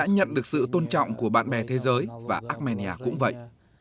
nhận được sự tôn trọng của bạn bè thế giới và armenia cũng vậy